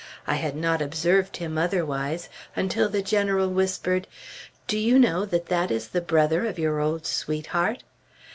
I had not observed him otherwise, until the General whispered, "Do you know that that is the brother of your old sweetheart?"